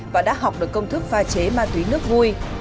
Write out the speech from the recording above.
và đã học được công thức pha chế ma túy nước vui